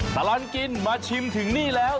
ตลอดกินมาชิมถึงนี่แล้ว